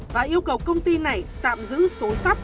và yêu cầu công ty này tạm giữ số sắt